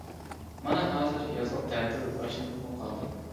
مانا ھازىر يازلىق تەتىل باشلىنىپمۇ قالدى.